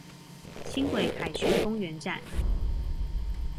輕軌凱旋公園站